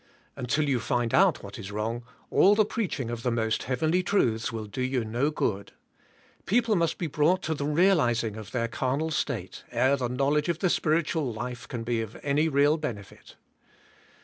Until you find out what is wrong all the preaching of the most heavenly truths will do you no good. People must be brought to the realizing of their carnal state ere the knowledge of the spiritual life can be any real ben efit.